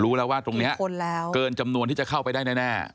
รู้แล้วว่าตรงนี้เกินจำนวนที่จะเข้าไปได้แน่